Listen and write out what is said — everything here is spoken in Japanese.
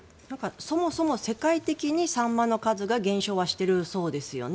そもそも世界的にサンマの数が減少はしているそうですよね。